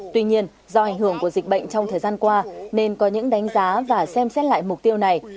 tuy nhiên do ảnh hưởng của dịch bệnh trong thời gian qua nên có những đánh giá và xem xét lại mục tiêu này